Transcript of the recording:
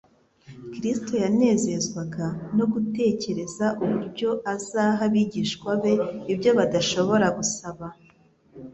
Kristo yanezezwaga no gutekereza uburyo azaha abigishwa be ibyo badashobora gusaba